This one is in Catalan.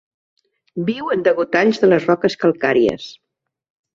Viu en degotalls de les roques calcàries.